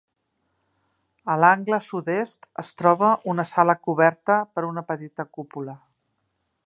A l'angle sud-est es troba una sala coberta per una petita cúpula.